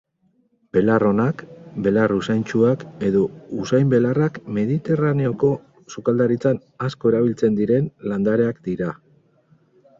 Belar onak, belar usaintsuak edo usain-belarrak mediterraneoko sukaldaritzan asko erabiltzen diren landareak dira